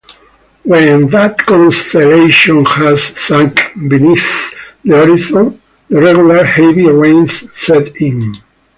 When that constellation has sunk beneath the horizon, the regular, heavy rains set in.